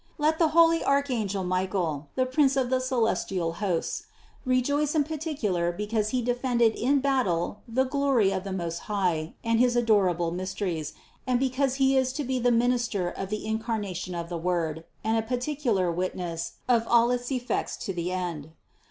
Let the holy Archangel Michael, the prince of the celestial hosts, rejoice in particular be* cause he defended in battle the glory of the Most High and his adorable mysteries, and because he is to be the minister of the Incarnation of the Word and a particu lar witness of all its effect to the end.